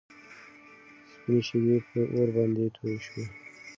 سپينې شيدې په اور باندې توی شوې.